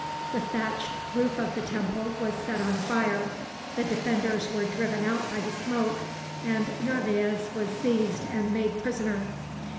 The thatched roof of the temple was set on fire, the defenders were driven out by the smoke, and Narvaez was seized and made prisoner.